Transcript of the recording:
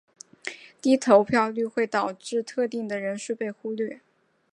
低投票率会导致特定的人士被忽略。